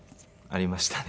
ありましたね。